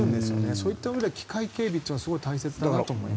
そういった意味では機械警備というのはすごく大切だなと思います。